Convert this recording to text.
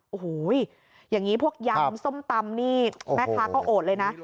โอ้โหอย่างนี้พวกยำส้มตำนี่แม่ค้าเขาโอดเลยนะ